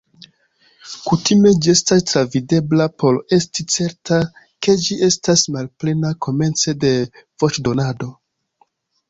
Kutime ĝi estas travidebla por esti certa ke ĝi estas malplena komence de voĉdonado.